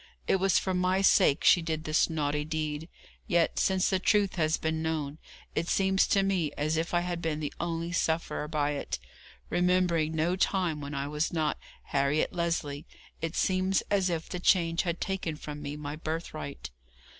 It was for my sake she did this naughty deed; yet, since the truth has been known, it seems to me as if I had been the only sufferer by it; remembering no time when I was not Harriet Lesley, it seems as if the change had taken from me my birthright.